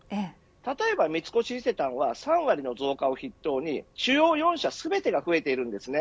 例えば三越伊勢丹は３割の増加を筆頭に主要４社全てが増えているんです。